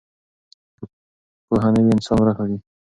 که پوهه نه وي انسان ورک وي.